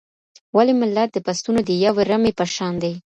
ولي ملت د پسونو د یوې رمې په شان دی؟